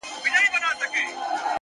د ميني شر نه دى چي څـوك يـې پــټ كړي،